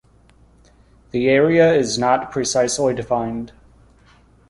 The area is not precisely defined.